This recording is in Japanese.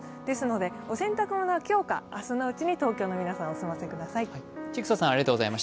ですので、お洗濯物は今日か、明日のうちに、東京の皆さんはお済ませください。